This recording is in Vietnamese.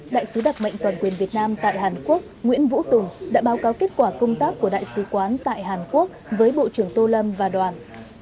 đại sứ đặc mệnh toàn quyền việt nam tại hàn quốc nguyễn vũ tùng đã báo cáo kết quả công tác của đại sứ quán tại hàn quốc với bộ trưởng tô lâm và đoàn